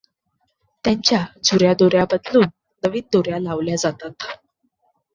त्यांच्या जुन्या दोर्या बदलुन नवीन दोर्या लावल्या जातात्.